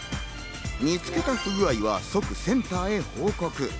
見つけた不具合は即センターへ報告。